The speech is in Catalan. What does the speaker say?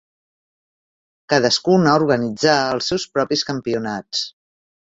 Cadascuna organitzà els seus propis campionats.